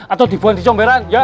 atau dibawa di comberan